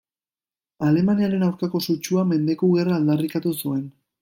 Alemaniaren aurkako sutsua, mendeku-gerra aldarrikatu zuen.